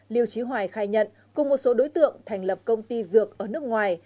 liêu trí hoài khai nhận cùng một số đối tượng thành lập công ty dược ở nước ngoài